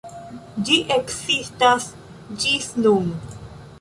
Ĝi ekzistas ĝis nun.